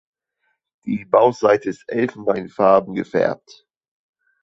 Die Bauchseite ist elfenbeinfarben gefärbt.